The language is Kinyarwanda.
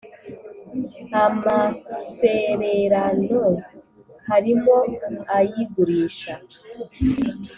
amasererano harimo ay ‘igurisha.